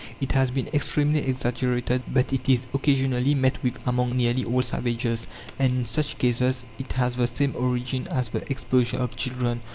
It has been extremely exaggerated, but it is occasionally met with among nearly all savages; and in such cases it has the same origin as the exposure of children.